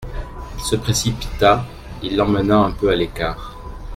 Il se précipita, il l'emmena un peu à l'écart.